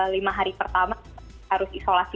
lima hari pertama harus isolasi